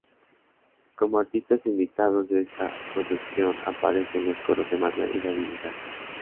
Como artistas invitados de esta producción aparecen en los coros Emmanuel y David Hidalgo.